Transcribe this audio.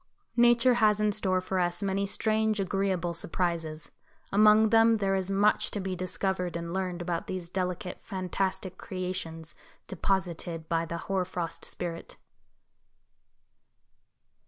Nature has in store for us many strange, agreeable surprises. Among them there is much to be discovered and learned about these delicate fantastic creations deposited by the Hoar frost Spirit.